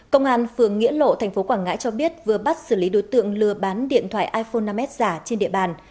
công an phường nghĩa lộ tp quảng ngãi cho biết vừa bắt xử lý đối tượng lừa bán điện thoại iphone năm s giả trên địa bàn